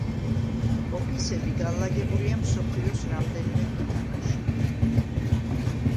ოფისები განლაგებულია მსოფლიოს რამდენიმე ქვეყანაში.